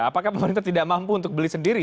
apakah pemerintah tidak mampu untuk beli sendiri